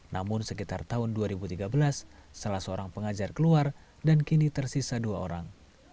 namun sekitar tahun dua ribu tiga belas salah seorang pengajar keluar dan kini tersisa dua orang